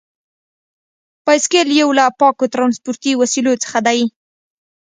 بایسکل یو له پاکو ترانسپورتي وسیلو څخه دی.